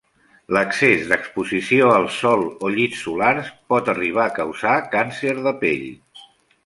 L'excés d'exposició al sol o llits solars pot arribar a causar càncer de pell.